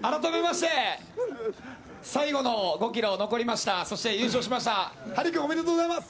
改めまして最後の５ｋｍ残りましたそして優勝しましたハリー君、おめでとうございます。